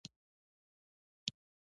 پلار یې پیسې راولېږلې.